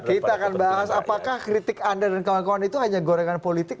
kita akan bahas apakah kritik anda dan kawan kawan itu hanya gorengan politik